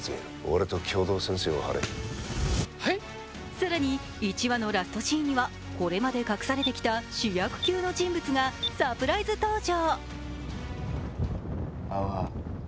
更に１話のラストシーンにはこれまで隠されてきた主役級の人物がサプライズ登場。